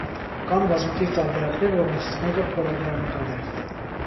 Կան բազմաթիվ տարբերակներ, որոնցից մեկը փորագրանկար է։